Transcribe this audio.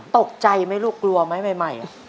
ตกใจไหมลูกกลัวไหมใหม่